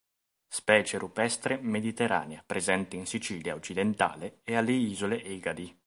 Specie rupestre mediterranea presente in Sicilia occidentale e alle isole Egadi.